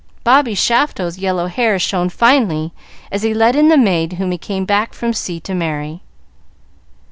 "Bobby Shafto's" yellow hair shone finely as he led in the maid whom he came back from sea to marry.